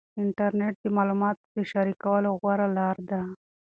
انټرنیټ د معلوماتو د شریکولو غوره لار ده.